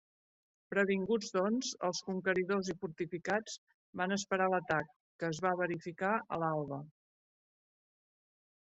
Previnguts, doncs, els conqueridors i fortificats, van esperar l'atac, que es va verificar a l'alba.